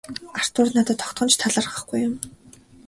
Артур надад огтхон ч талархахгүй юм.